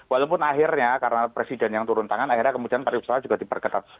walaupun akhirnya karena presiden yang turun tangan akhirnya kemudian pariwisata juga diperketat